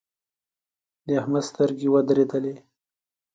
د احمد سترګې ودرېدلې.